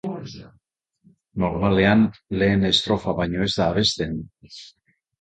Normalean, lehen estrofa baino ez da abesten.